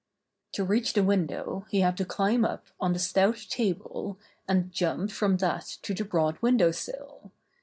To reach the window he had to climb up on the stout table, and jump from that to the broad window sill.